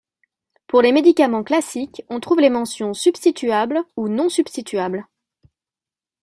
Pour les médicaments classiques, on trouve les mentions « substituable » ou « non substituable ».